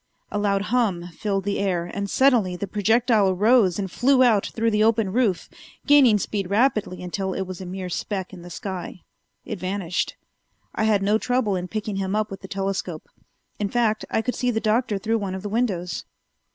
A loud hum filled the air, and suddenly the projectile rose and flew out through the open roof, gaining speed rapidly until it was a mere speck in the sky. It vanished. I had no trouble in picking him up with the telescope. In fact, I could see the Doctor through one of the windows.